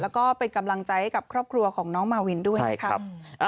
แล้วก็เป็นกำลังใจให้กับครอบครัวของน้องมาวินด้วยนะครับ